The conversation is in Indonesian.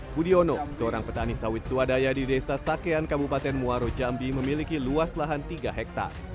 budiono seorang petani sawit swadaya di desa sakean kabupaten muaro jambi memiliki luas lahan tiga hektare